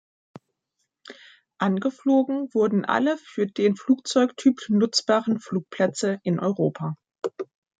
Angeflogen wurden alle für den Flugzeugtyp nutzbaren Flugplätze in Europa.